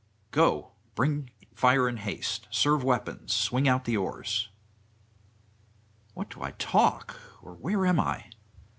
Go; bring fire in haste, serve weapons, swing out the oars! What do I talk? or where am I?